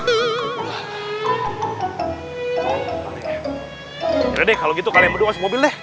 ya udah deh kalau gitu kalian berdua masuk mobil deh